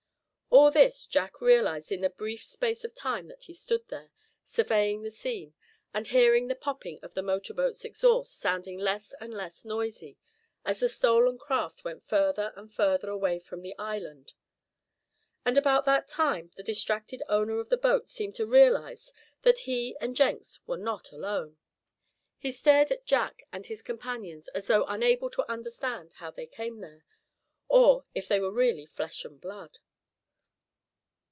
All this Jack realized in the brief space of time that he stood there, surveying the scene, and hearing the popping of the motor boat's exhaust sounding less and less noisy, as the stolen craft went further and further away from the island. And about that time the distracted owner of the boat seemed to realize that he and Jenks were not alone. He stared at Jack and his companions as though unable to understand how they came there, or if they were really flesh and blood.